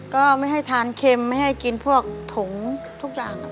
ก็ไม่ให้ทานเค็มไม่ให้กินพวกถุงทุกอย่าง